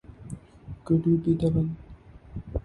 Could You Be the One?